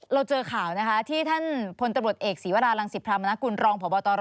เราเจอข่าวที่ท่านพลตบรวจเอกศีวรารังสิบพระมนาคุณรองพบต